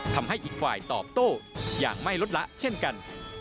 ทำให้อีกฝ่ายตอบโต้อย่างไม่ลดละเช่นกัน